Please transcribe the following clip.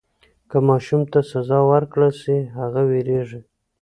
که ماشوم ته سزا ورکړل سي هغه وېرېږي.